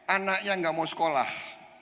anaknya gak mau sekolah